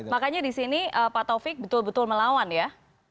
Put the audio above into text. makanya di sini pak taufik betul betul melawan ya